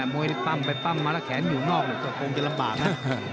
มวยปั้มไปปั้มมาแล้วแขนอยู่นอกก็คงจะลำบากนะ